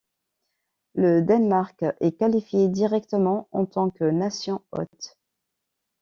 Le Danemark est qualifiée directement en tant que nation-hôte.